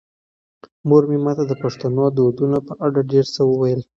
مور مې ماته د پښتنو د دودونو په اړه ډېر څه وویل.